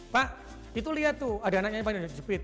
pak itu lihat tuh ada anaknya yang pakai sendal jepit